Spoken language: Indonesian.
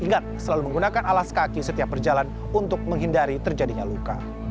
ingat selalu menggunakan alas kaki setiap perjalanan untuk menghindari terjadinya luka